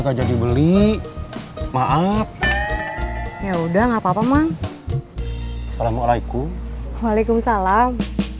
gajian dibeli maaf ya udah nggak papa mang assalamualaikum waalaikumsalam